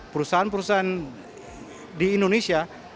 perusahaan perusahaan di indonesia